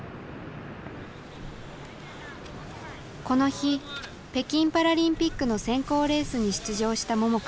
この日北京パラリンピックの選考レースに出場した桃佳。